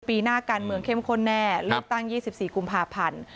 ปีหน้าการเมืองเข้มข้นแน่เลือกตั้ง๒๔กุมภาพันธ์